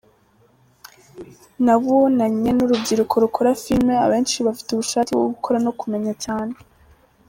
Nabonanye n’urubyiruko rukora filime, abenshi bafite ubushake bwo gukora no kumenya cyane.